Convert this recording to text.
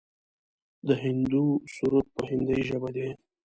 د هندو سرود په هندۍ ژبه دی.